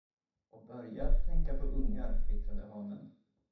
Och börja att tänka på ungar, kvittrade hanen.